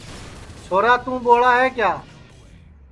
چھورا توں ٻوڑ ہے کیا